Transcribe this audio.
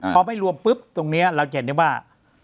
พอไม่รวมปุ๊บตรงนี้เราจะเห็นได้ว่า